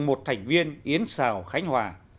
một thành viên yến sào khánh hòa